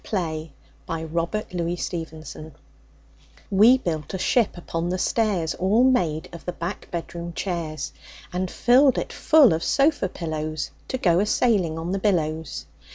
ANONYMOUS A GOOD PLAY We built a ship upon the stairs All made of the back bedroom chairs, And filled it full of sofa pillows To go a sailing on the billows.